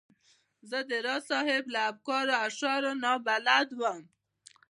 زه د راز صاحب له افکارو او اشعارو نا بلده وم.